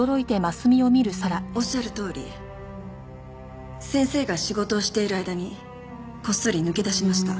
おっしゃるとおり先生が仕事をしている間にこっそり抜け出しました。